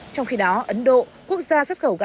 trong khi đó ấn độ quốc gia xuất khẩu gạo